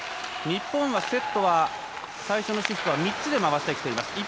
日本はセットは最初３つで回してきています。